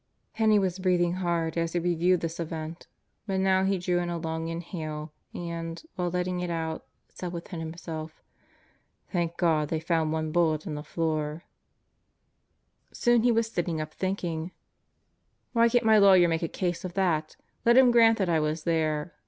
Penney was breathing hard as he reviewed this event, but now he drew in a long inhale and, while letting it out, said within himself: "Thank God they found one bullet in the floor 1" Soon he was sitting up thinking: Why can't my lawyer make a case of that? Let him grant that I was there.